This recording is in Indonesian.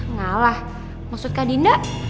ngalah maksud kak dinda